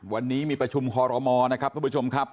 วันนี้มีประชุมคอรมอนะครับทุกผู้ชมครับ